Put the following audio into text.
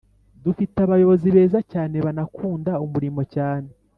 Dufite abayobozi beza cyane b ‘anakunda umurimo cyane